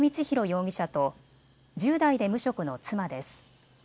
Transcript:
容疑者と１０代で無職の妻です。